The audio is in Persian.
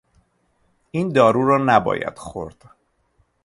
این دارو را نباید خورد.